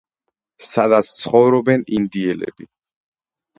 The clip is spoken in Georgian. სადაც ცხოვრობენ ინდიელები.